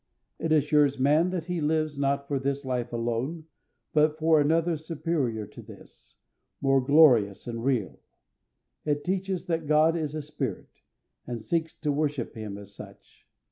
It assures man that he lives not for this life alone, but for another superior to this, more glorious and real. It teaches that God is a spirit, and seeks to worship him as such.